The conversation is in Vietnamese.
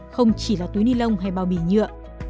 không chỉ là túi ni lông hay bao bì nhựa